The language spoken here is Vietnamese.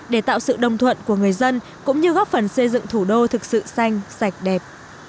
để tạo sự đồng thuận của người dân cũng như góp phần xây dựng thủ đô thực sự xanh sạch đẹp